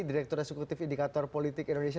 direktur eksekutif indikator politik indonesia